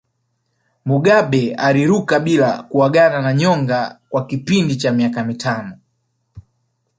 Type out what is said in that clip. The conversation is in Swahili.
Mugabe aliruka bila kuagana na nyonga kwa kipindi cha miaka mitano